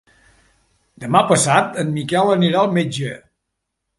Demà passat en Miquel anirà al metge.